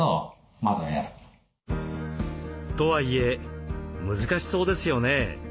とはいえ難しそうですよね。